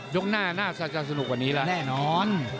กหน้าน่าจะสนุกกว่านี้แล้วแน่นอน